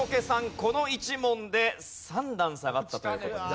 この１問で３段下がったという事になります。